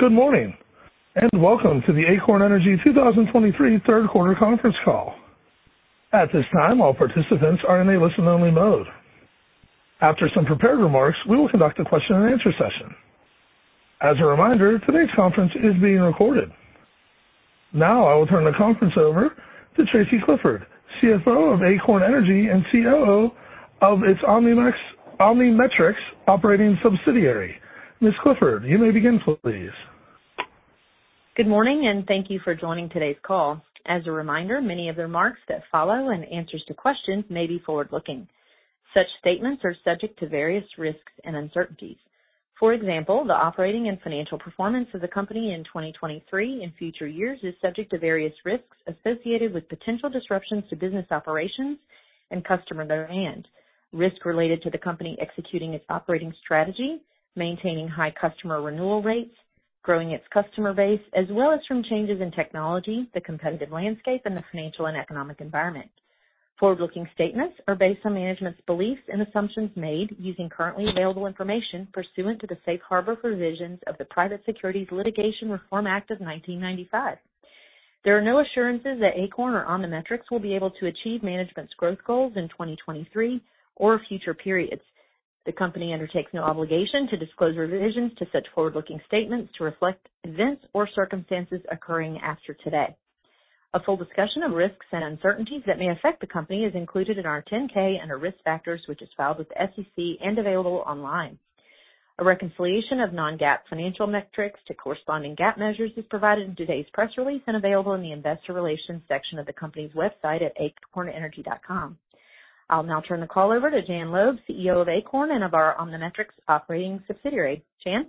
Good morning, and welcome to the Acorn Energy 2023 third quarter conference call. At this time, all participants are in a listen-only mode. After some prepared remarks, we will conduct a question and answer session. As a reminder, today's conference is being recorded. Now, I will turn the conference over to Tracy Clifford, CFO of Acorn Energy and COO of its OmniMetrix operating subsidiary. Ms. Clifford, you may begin, please. Good morning, and thank you for joining today's call. As a reminder, many of the remarks that follow and answers to questions may be forward-looking. Such statements are subject to various risks and uncertainties. For example, the operating and financial performance of the company in 2023 and future years is subject to various risks associated with potential disruptions to business operations and customer demand, risk related to the company executing its operating strategy, maintaining high customer renewal rates, growing its customer base, as well as from changes in technology, the competitive landscape, and the financial and economic environment. Forward-looking statements are based on management's beliefs and assumptions made using currently available information pursuant to the safe harbor provisions of the Private Securities Litigation Reform Act of 1995. There are no assurances that Acorn or OmniMetrix will be able to achieve management's growth goals in 2023 or future periods. The company undertakes no obligation to disclose revisions to such forward-looking statements to reflect events or circumstances occurring after today. A full discussion of risks and uncertainties that may affect the company is included in our 10-K under Risk Factors, which is filed with the SEC and available online. A reconciliation of non-GAAP financial metrics to corresponding GAAP measures is provided in today's press release and available in the investor relations section of the company's website at acornenergy.com. I'll now turn the call over to Jan Loeb, CEO of Acorn and of our OmniMetrix operating subsidiary. Jan?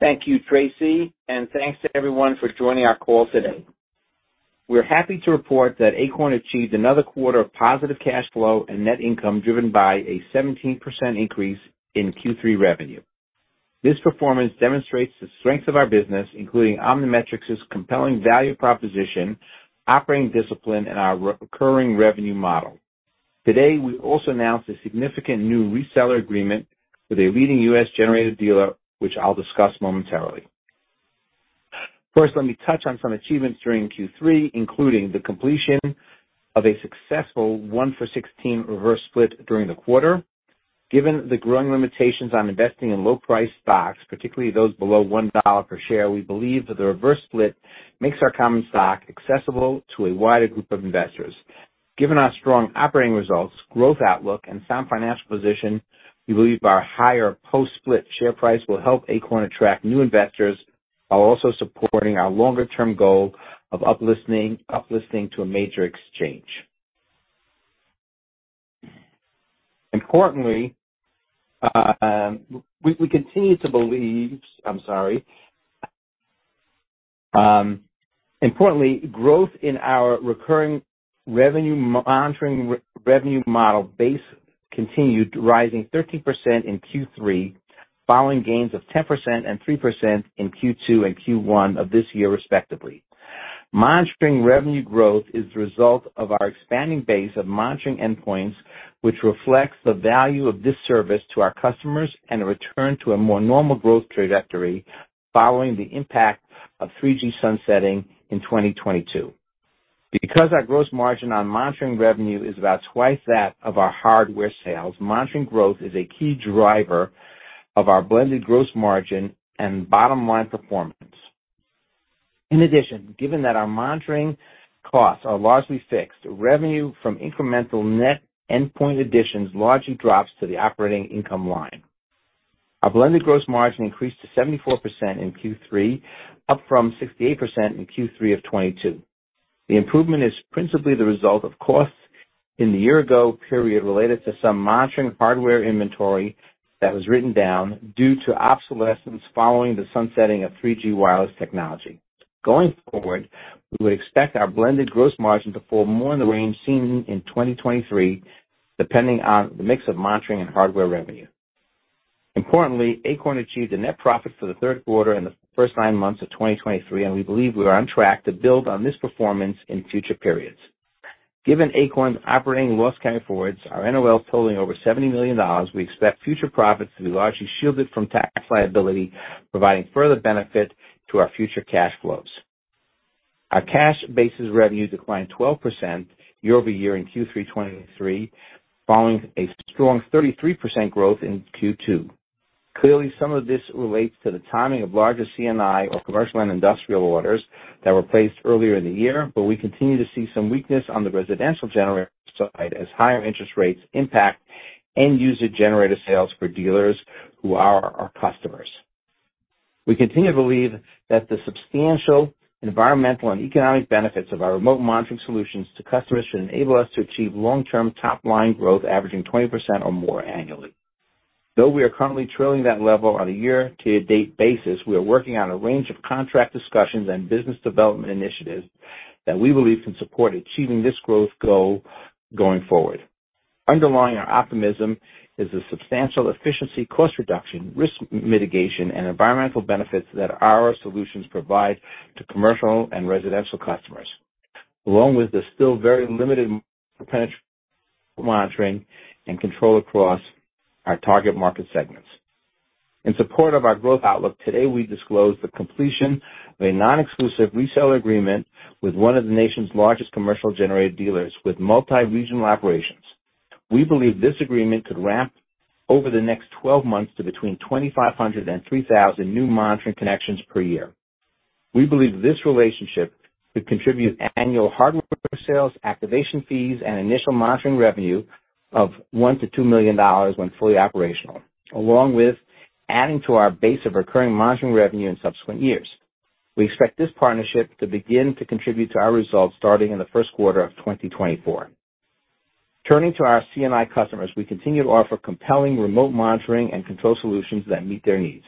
Thank you, Tracy, and thanks to everyone for joining our call today. We're happy to report that Acorn achieved another quarter of positive cash flow and net income, driven by a 17% increase in Q3 revenue. This performance demonstrates the strength of our business, including OmniMetrix's compelling value proposition, operating discipline, and our re-recurring revenue model. Today, we also announced a significant new reseller agreement with a leading U.S. generator dealer, which I'll discuss momentarily. First, let me touch on some achievements during Q3, including the completion of a successful 1-for-16 reverse split during the quarter. Given the growing limitations on investing in low-priced stocks, particularly those below $1 per share, we believe that the reverse split makes our common stock accessible to a wider group of investors. Given our strong operating results, growth outlook, and sound financial position, we believe our higher post-split share price will help Acorn attract new investors, while also supporting our longer-term goal of uplisting to a major exchange. Importantly, growth in our recurring revenue, monitoring revenue model base continued, rising 13% in Q3, following gains of 10% and 3% in Q2 and Q1 of this year, respectively. Monitoring revenue growth is the result of our expanding base of monitoring endpoints, which reflects the value of this service to our customers and a return to a more normal growth trajectory following the impact of 3G sunsetting in 2022. Because our gross margin on monitoring revenue is about twice that of our hardware sales, monitoring growth is a key driver of our blended gross margin and bottom line performance. In addition, given that our monitoring costs are largely fixed, revenue from incremental net endpoint additions largely drops to the operating income line. Our blended gross margin increased to 74% in Q3, up from 68% in Q3 of 2022. The improvement is principally the result of costs in the year-ago period related to some monitoring hardware inventory that was written down due to obsolescence following the sunsetting of 3G wireless technology. Going forward, we would expect our blended gross margin to fall more in the range seen in 2023, depending on the mix of monitoring and hardware revenue. Importantly, Acorn achieved a net profit for the third quarter and the first nine months of 2023, and we believe we are on track to build on this performance in future periods. Given Acorn's operating loss carryforwards, our NOLs totaling over $70 million, we expect future profits to be largely shielded from tax liability, providing further benefit to our future cash flows. Our cash-basis revenue declined 12% year-over-year in Q3 2023, following a strong 33% growth in Q2. Clearly, some of this relates to the timing of larger C&I, or commercial and industrial, orders that were placed earlier in the year, but we continue to see some weakness on the residential generator side as higher interest rates impact end-user generator sales for dealers who are our customers. We continue to believe that the substantial environmental and economic benefits of our remote monitoring solutions to customers should enable us to achieve long-term top-line growth, averaging 20% or more annually. Though we are currently trailing that level on a year-to-date basis, we are working on a range of contract discussions and business development initiatives that we believe can support achieving this growth goal going forward. Underlying our optimism is the substantial efficiency, cost reduction, risk mitigation, and environmental benefits that our solutions provide to commercial and residential customers... along with the still very limited penetration monitoring and control across our target market segments. In support of our growth outlook, today, we disclosed the completion of a non-exclusive reseller agreement with one of the nation's largest commercial generator dealers with multi-regional operations. We believe this agreement could ramp over the next 12 months to between 2,500 and 3,000 new monitoring connections per year. We believe this relationship could contribute annual hardware sales, activation fees, and initial monitoring revenue of $1 million-$2 million when fully operational, along with adding to our base of recurring monitoring revenue in subsequent years. We expect this partnership to begin to contribute to our results starting in the first quarter of 2024. Turning to our C&I customers, we continue to offer compelling remote monitoring and control solutions that meet their needs,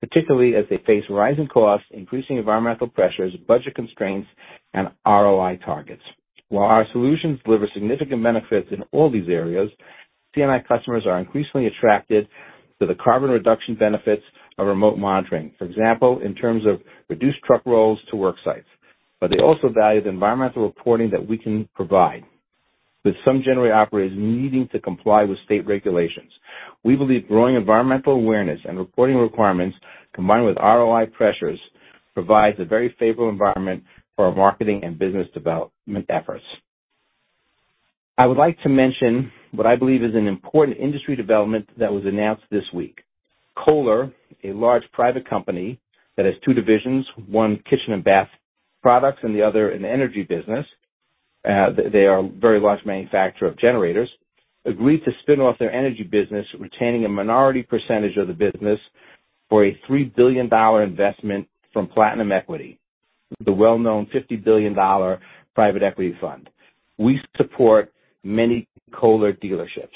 particularly as they face rising costs, increasing environmental pressures, budget constraints, and ROI targets. While our solutions deliver significant benefits in all these areas, C&I customers are increasingly attracted to the carbon reduction benefits of remote monitoring. For example, in terms of reduced truck rolls to work sites. But they also value the environmental reporting that we can provide, with some generator operators needing to comply with state regulations. We believe growing environmental awareness and reporting requirements, combined with ROI pressures, provides a very favorable environment for our marketing and business development efforts. I would like to mention what I believe is an important industry development that was announced this week. Kohler, a large private company that has two divisions, one kitchen and bath products and the other in the energy business, they are a very large manufacturer of generators, agreed to spin off their energy business, retaining a minority percentage of the business for a $3 billion investment from Platinum Equity, the well-known $50 billion private equity fund. We support many Kohler dealerships.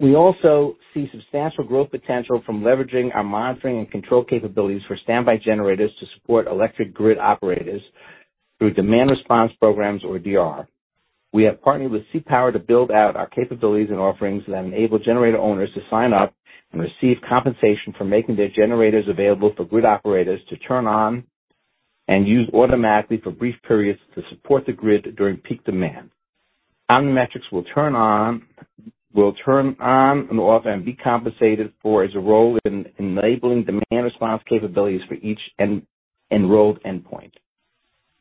We also see substantial growth potential from leveraging our monitoring and control capabilities for standby generators to support electric grid operators through demand response programs or DR. We have partnered with CPower to build out our capabilities and offerings that enable generator owners to sign up and receive compensation for making their generators available for grid operators to turn on and use automatically for brief periods to support the grid during peak demand. OmniMetrix will turn on and off and be compensated for as a role in enabling demand response capabilities for each enrolled endpoint.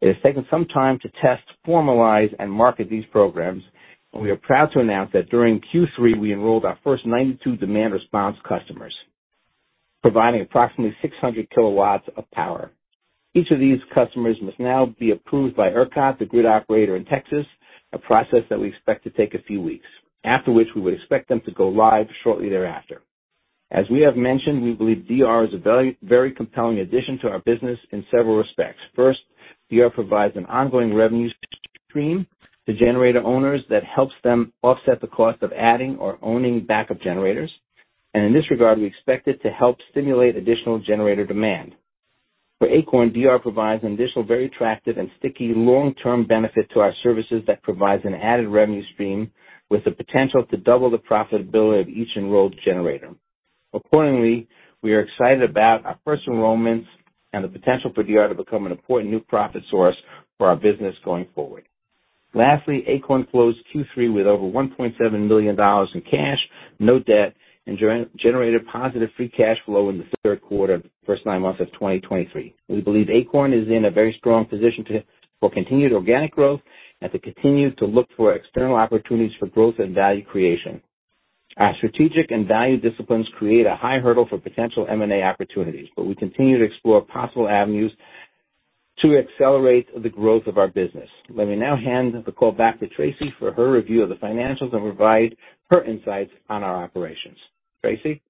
It has taken some time to test, formalize, and market these programs, and we are proud to announce that during Q3, we enrolled our first 92 demand response customers, providing approximately 600 kilowatts of power. Each of these customers must now be approved by ERCOT, the grid operator in Texas, a process that we expect to take a few weeks, after which we would expect them to go live shortly thereafter. As we have mentioned, we believe DR is a very, very compelling addition to our business in several respects. First, DR provides an ongoing revenue stream to generator owners that helps them offset the cost of adding or owning backup generators, and in this regard, we expect it to help stimulate additional generator demand. For Acorn, DR provides an additional, very attractive and sticky long-term benefit to our services that provides an added revenue stream with the potential to double the profitability of each enrolled generator. Accordingly, we are excited about our first enrollments and the potential for DR to become an important new profit source for our business going forward. Lastly, Acorn closed Q3 with over $1.7 million in cash, no debt, and generated positive free cash flow in the third quarter of the first nine months of 2023. We believe Acorn is in a very strong position to for continued organic growth and to continue to look for external opportunities for growth and value creation. Our strategic and value disciplines create a high hurdle for potential M&A opportunities, but we continue to explore possible avenues to accelerate the growth of our business. Let me now hand the call back to Tracy for her review of the financials and provide her insights on our operations. Tracy?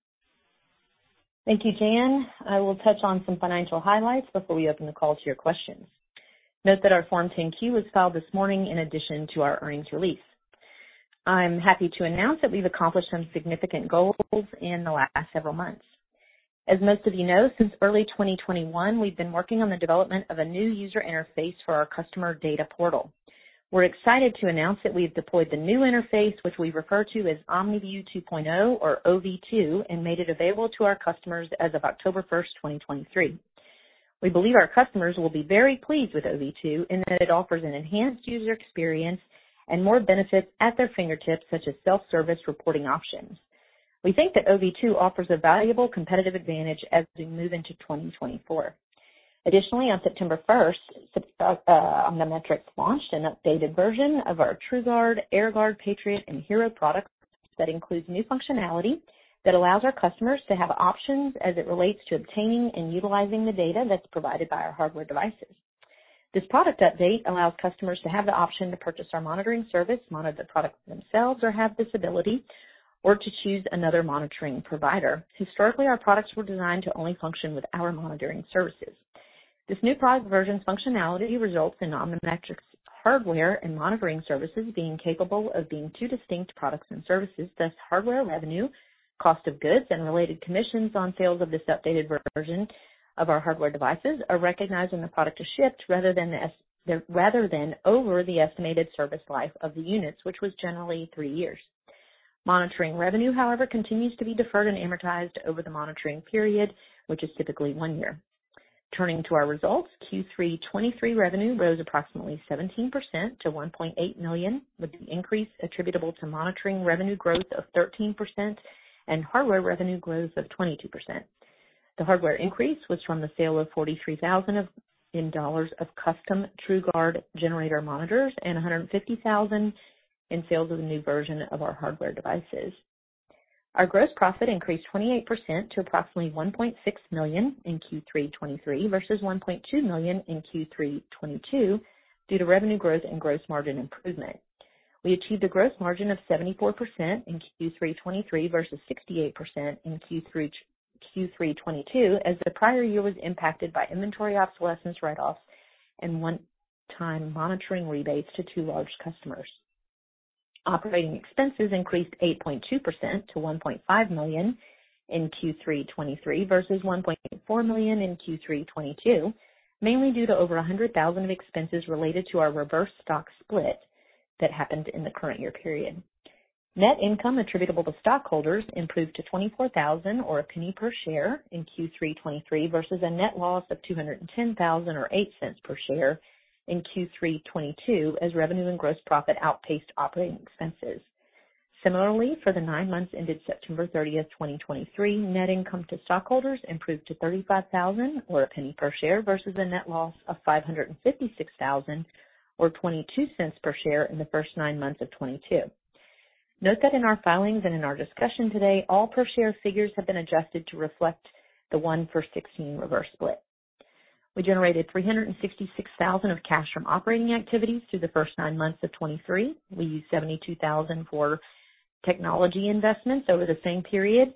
Thank you, Jan. I will touch on some financial highlights before we open the call to your questions. Note that our Form 10-Q was filed this morning in addition to our earnings release. I'm happy to announce that we've accomplished some significant goals in the last several months. As most of you know, since early 2021, we've been working on the development of a new user interface for our customer data portal. We're excited to announce that we've deployed the new interface, which we refer to as OmniView 2.0, or OV 2, and made it available to our customers as of October 1, 2023. We believe our customers will be very pleased with OV 2 in that it offers an enhanced user experience and more benefits at their fingertips, such as self-service reporting options. We think that OV 2 offers a valuable competitive advantage as we move into 2024. Additionally, on September first, OmniMetrix launched an updated version of our TrueGuard, AirGuard, Patriot, and Hero products that includes new functionality that allows our customers to have options as it relates to obtaining and utilizing the data that's provided by our hardware devices. This product update allows customers to have the option to purchase our monitoring service, monitor the product themselves, or have this ability, or to choose another monitoring provider. Historically, our products were designed to only function with our monitoring services. This new product version's functionality results in OmniMetrix hardware and monitoring services being capable of being two distinct products and services. Thus, hardware revenue, cost of goods, and related commissions on sales of this updated version of our hardware devices are recognized when the product is shipped, rather than over the estimated service life of the units, which was generally three years. Monitoring revenue, however, continues to be deferred and amortized over the monitoring period, which is typically one year. Turning to our results, Q3 2023 revenue rose approximately 17%-$1.8 million, with the increase attributable to monitoring revenue growth of 13% and hardware revenue growth of 22%. The hardware increase was from the sale of $43,000 of custom TrueGuard generator monitors and $150,000 in sales of the new version of our hardware devices. Our gross profit increased 28% to approximately $1.6 million in Q3 2023 versus $1.2 million in Q3 2022, due to revenue growth and gross margin improvement. We achieved a gross margin of 74% in Q3 2023 versus 68% in Q3 2022, as the prior year was impacted by inventory obsolescence write-offs and one-time monitoring rebates to two large customers. Operating expenses increased 8.2% to $1.5 million in Q3 2023 versus $1.4 million in Q3 2022, mainly due to over $100,000 of expenses related to our reverse stock split that happened in the current year period. Net income attributable to stockholders improved to $24,000 or $0.01 per share in Q3 2023, versus a net loss of $210,000, or $0.08 per share in Q3 2022, as revenue and gross profit outpaced operating expenses. Similarly, for the nine months ended September 30, 2023, net income to stockholders improved to $35,000 or $0.01 per share versus a net loss of $556,000 or $0.22 per share in the first nine months of 2022. Note that in our filings and in our discussion today, all per share figures have been adjusted to reflect the 1-for-16 reverse split. We generated $366,000 of cash from operating activities through the first nine months of 2023. We used $72,000 for technology investments over the same period,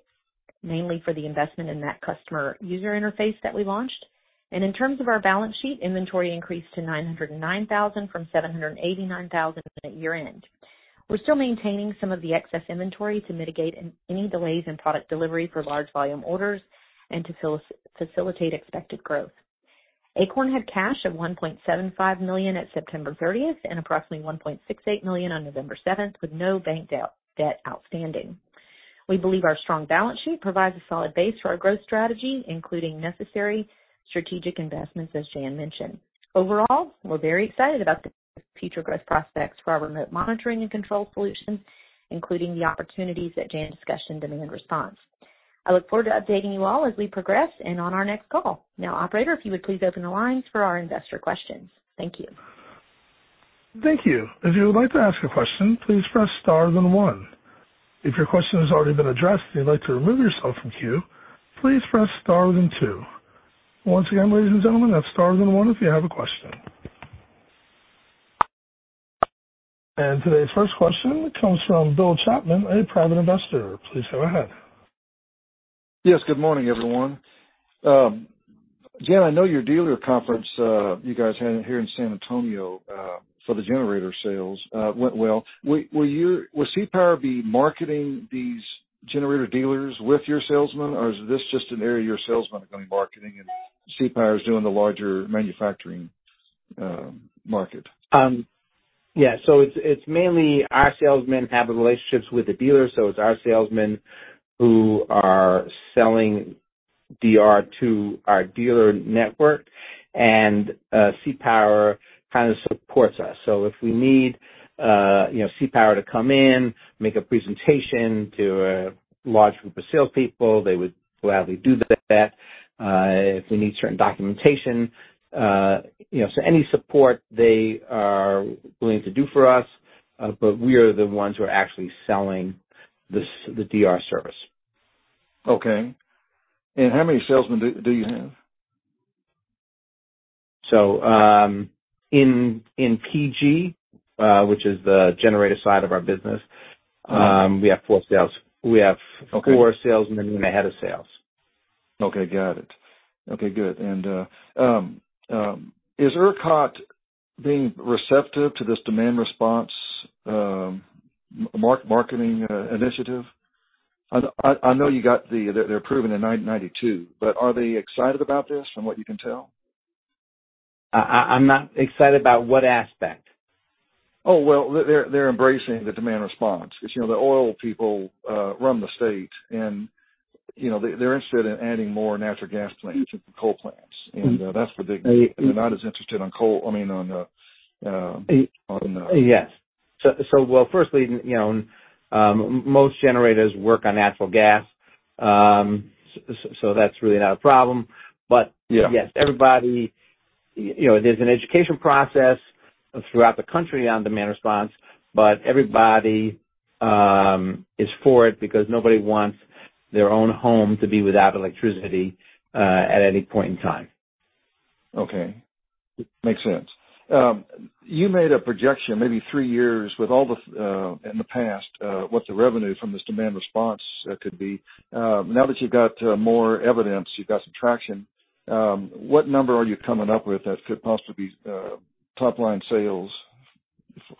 mainly for the investment in that customer user interface that we launched. In terms of our balance sheet, inventory increased to $909,000 from $789,000 at year-end. We're still maintaining some of the excess inventory to mitigate any delays in product delivery for large volume orders and to facilitate expected growth. Acorn had cash of $1.75 million at September 30 and approximately $1.68 million on November 7, with no bank debt outstanding. We believe our strong balance sheet provides a solid base for our growth strategy, including necessary strategic investments, as Jan mentioned. Overall, we're very excited about the future growth prospects for our remote monitoring and control solutions, including the opportunities that Jan discussed in demand response. I look forward to updating you all as we progress and on our next call. Now, operator, if you would please open the lines for our investor questions. Thank you. Thank you. If you would like to ask a question, please press star then one. If your question has already been addressed and you'd like to remove yourself from queue, please press star then two. Once again, ladies and gentlemen, that's star then one if you have a question. And today's first question comes from Bill Chapman, a private investor. Please go ahead. Yes, good morning, everyone. Jan, I know your dealer conference you guys had here in San Antonio for the generator sales went well. Will CPower be marketing these generator dealers with your salesmen, or is this just an area your salesmen are going to be marketing, and CPower is doing the larger manufacturing market? Yeah. So it's mainly our salesmen have the relationships with the dealers, so it's our salesmen who are selling DR to our dealer network, and CPower kind of supports us. So if we need you know, CPower to come in, make a presentation to a large group of salespeople, they would gladly do that. If we need certain documentation, you know, so any support they are willing to do for us, but we are the ones who are actually selling the DR service. Okay. And how many salesmen do you have? So, in PG, which is the generator side of our business. We have 4 sales. Okay. We have 4 salesmen and a head of sales. Okay, got it. Okay, good. Is ERCOT being receptive to this demand response marketing initiative? I know you got they're approved in 1992, but are they excited about this from what you can tell? I'm not excited about what aspect? Oh, well, they're embracing the demand response. Because, you know, the oil people run the state, and, you know, they're interested in adding more natural gas plants and coal plants, and that's the bit. They're not as interested on coal. I mean, on the. Yes. So, well, firstly, you know, most generators work on natural gas. So that's really not a problem. Yeah. Yes, everybody, you know, there's an education process throughout the country on demand response, but everybody is for it because nobody wants their own home to be without electricity at any point in time. Okay. Makes sense. You made a projection, maybe three years, with all the in the past, what the revenue from this demand response could be. Now that you've got more evidence, you've got some traction, what number are you coming up with that could possibly be top line sales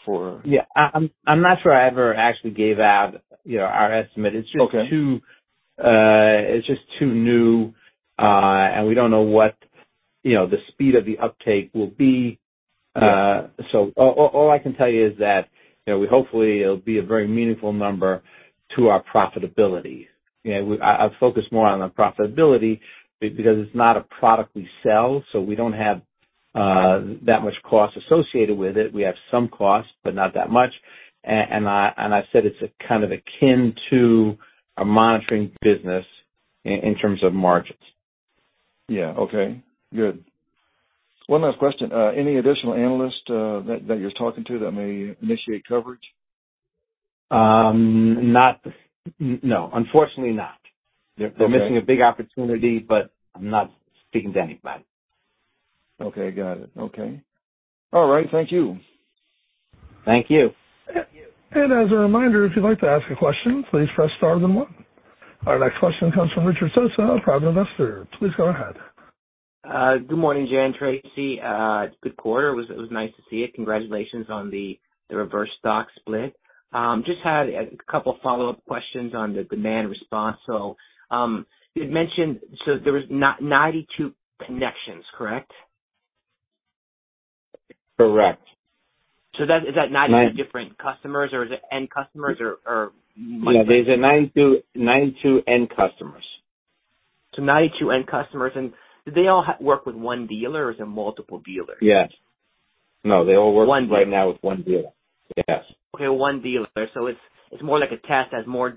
for? Yeah, I'm not sure I ever actually gave out, you know, our estimate. Okay. It's just too new, and we don't know what, you know, the speed of the uptake will be, so all I can tell you is that, you know, we hopefully it'll be a very meaningful number to our profitability. You know, I focus more on the profitability because it's not a product we sell, so we don't have that much cost associated with it. We have some cost, but not that much. I said it's a kind akin to a monitoring business in terms of margins. Yeah. Okay, good. One last question. Any additional analysts that you're talking to that may initiate coverage? No, unfortunately not. Okay. They're missing a big opportunity, but I'm not speaking to anybody. Okay, got it. Okay. All right. Thank you. Thank you. As a reminder, if you'd like to ask a question, please press star then one. Our next question comes from Richard Sosa, private investor. Please go ahead. Good morning, Jan and Tracy. Good quarter. It was, it was nice to see it. Congratulations on the, the reverse stock split. Just had a, a couple follow-up questions on the demand response. So, you had mentioned, so there was 92 connections, correct? Correct. So that, is that 92 different customers, or is it end customers or? Yeah, these are 92, 92 end customers. So 92 end customers, and do they all work with one dealer or is it multiple dealers? Yes. No, they all work. One. Right now with one dealer. Yes. Okay, one dealer. So it's more like a test as more...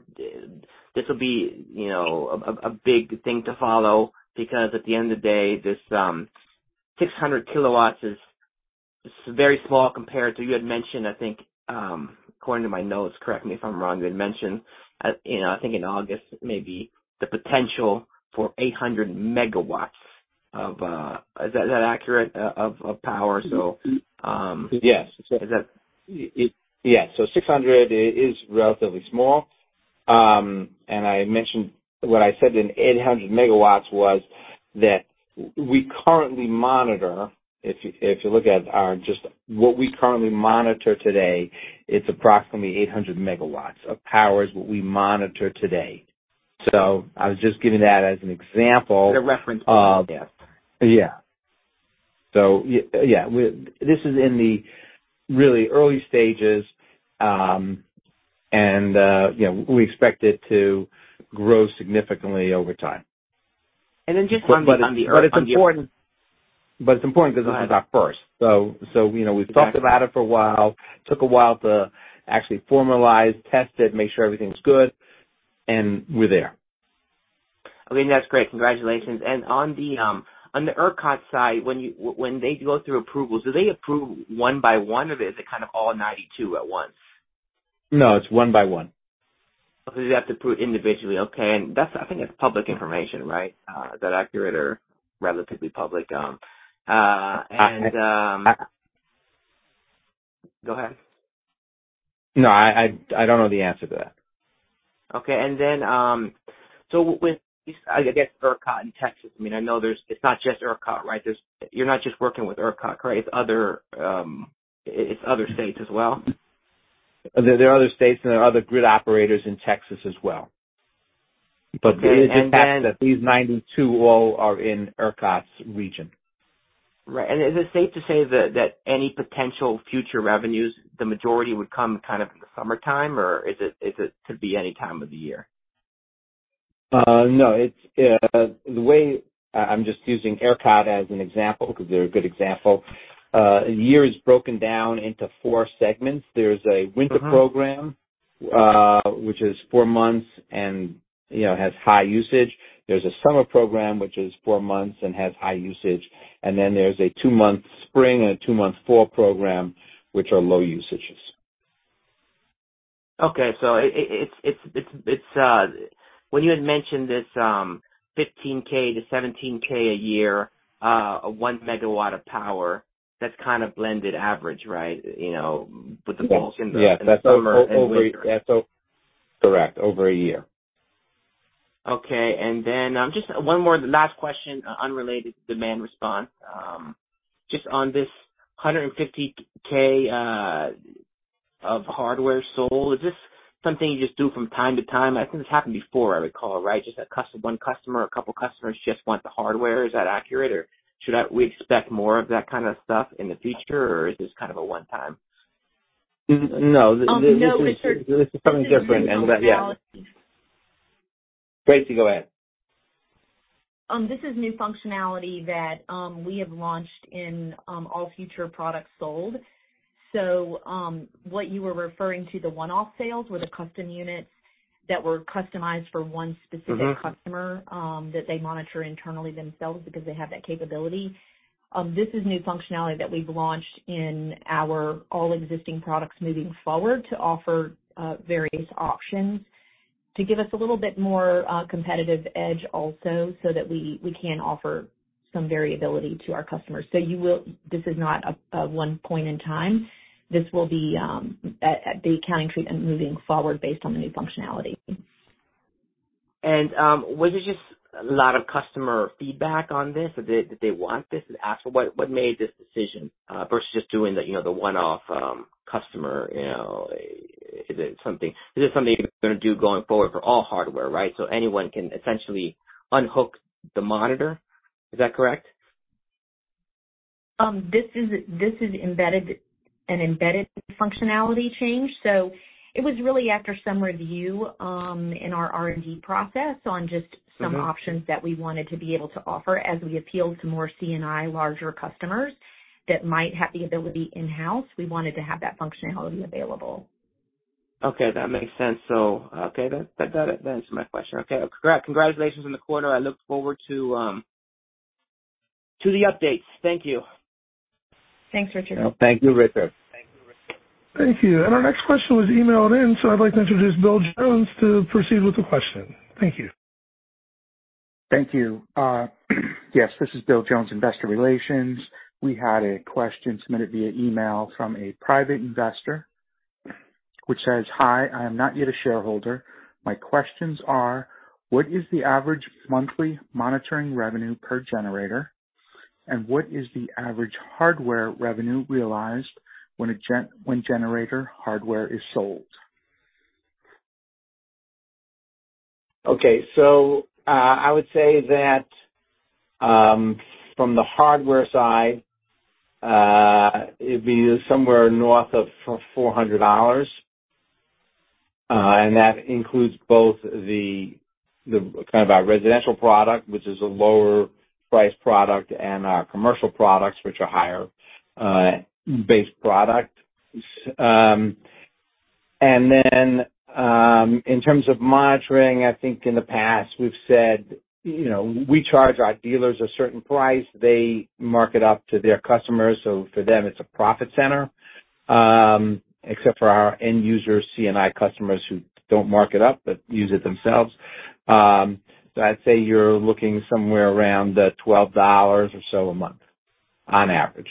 This will be, you know, a big thing to follow, because at the end of the day, this 600 kilowatts is very small compared to you had mentioned, I think, according to my notes, correct me if I'm wrong, you had mentioned, you know, I think in August, maybe the potential for 800 megawatts of, is that accurate, of power? So, Yes. Is that- Yes. So 600 is relatively small. And I mentioned... What I said in 800 megawatts was that we currently monitor, if you, if you look at our, just what we currently monitor today, it's approximately 800 megawatts of power is what we monitor today. So I was just giving that as an example. As a reference point. Yeah. Yeah. So yeah, this is in the really early stages, and you know, we expect it to grow significantly over time. And then just on. But it's important because this is our first. Go ahead. So, you know, we've talked about it for a while. Took a while to actually formalize, test it, make sure everything's good, and we're there. I mean, that's great. Congratulations. And on the, on the ERCOT side, when they go through approvals, do they approve one by one, or is it kind of all 92 at once? No, it's one by one. So you have to approve individually. Okay. And that's, I think it's public information, right? Is that accurate or relatively public? Go ahead. No, I don't know the answer to that. Okay. And then, so with, I guess, ERCOT in Texas, I mean, I know there's, it's not just ERCOT, right? There's, you're not just working with ERCOT, correct? It's other, it's other states as well. There are other states, and there are other grid operators in Texas as well. It's just that these 92 all are in ERCOT's region. Right. And is it safe to say that, that any potential future revenues, the majority would come kind of in the summertime, or is it, is it to be any time of the year? No. It's the way. I'm just using ERCOT as an example because they're a good example. A year is broken down into four segments. There's a winter program, which is 4 months and, you know, has high usage. There's a summer program, which is 4 months and has high usage, and then there's a 2-month spring and a 2-month fall program, which are low usages. Okay. So it's when you had mentioned this, 15K to 17K a year, 1 megawatt of power, that's kind of blended average, right? You know, with the falls. Yes. And the summer? That's over. Yes, so, correct, over a year. Okay. Then, just one more last question, unrelated to demand response. Just on this $150k of hardware sold, is this something you just do from time to time? I think this happened before, I recall, right? Just a custom one customer or a couple customers just want the hardware. Is that accurate, or should we expect more of that kind of stuff in the future, or is this kind of a one-time? No, Richard. This is something different, and that, yeah. Tracy, go ahead. This is new functionality that we have launched in all future products sold. So, what you were referring to, the one-off sales were the custom units that were customized for one specific customer that they monitor internally themselves because they have that capability. This is new functionality that we've launched in our all existing products moving forward to offer various options to give us a little bit more competitive edge also, so that we, we can offer some variability to our customers. So you will. This is not a one point in time. This will be at the accounting treatment moving forward based on the new functionality. Was it just a lot of customer feedback on this? Did they want this? Actually, what made this decision versus just doing the, you know, the one-off, customer, you know? Is it something, is this something you're going to do going forward for all hardware, right? So anyone can essentially unhook the monitor, is that correct? This is embedded, an embedded functionality change. So it was really after some review in our R&D process on just. Some options that we wanted to be able to offer as we appeal to more C&I larger customers that might have the ability in-house. We wanted to have that functionality available. Okay, that makes sense. Okay, that answers my question. Okay, great. Congratulations on the quarter. I look forward to the updates. Thank you. Thanks, Richard. Thank you, Richard. Thank you. Our next question was emailed in, so I'd like to introduce Bill Jones to proceed with the question. Thank you. Thank you. Yes, this is Bill Jones, investor relations. We had a question submitted via email from a private investor which says, "Hi, I am not yet a shareholder. My questions are: What is the average monthly monitoring revenue per generator? And what is the average hardware revenue realized when generator hardware is sold? Okay. So, I would say that, from the hardware side, it'd be somewhere north of $400. And that includes both the kind of our residential product, which is a lower price product, and our commercial products, which are higher based product. And then, in terms of monitoring, I think in the past we've said, you know, we charge our dealers a certain price, they mark it up to their customers, so for them it's a profit center. Except for our end user C&I customers who don't mark it up but use it themselves. So I'd say you're looking somewhere around $12 or so a month, on average.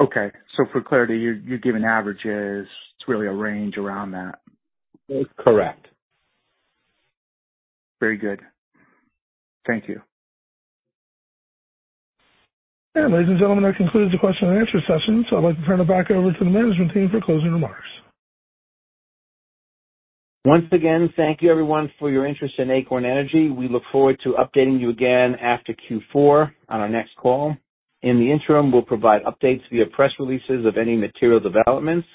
Okay. So for clarity, you're giving averages. It's really a range around that. Correct. Very good. Thank you. Ladies and gentlemen, that concludes the question and answer session. I'd like to turn it back over to the management team for closing remarks. Once again, thank you everyone for your interest in Acorn Energy. We look forward to updating you again after Q4 on our next call. In the interim, we'll provide updates via press releases of any material developments.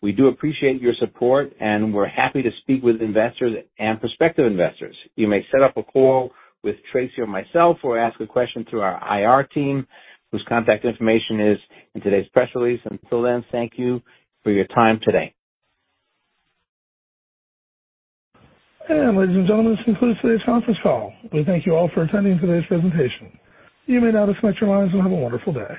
We do appreciate your support, and we're happy to speak with investors and prospective investors. You may set up a call with Tracy or myself, or ask a question through our IR team, whose contact information is in today's press release. Until then, thank you for your time today. Ladies and gentlemen, this concludes today's conference call. We thank you all for attending today's presentation. You may now disconnect your lines and have a wonderful day.